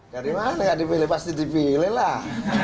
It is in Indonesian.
dari mana nggak dipilih pasti dipilih lah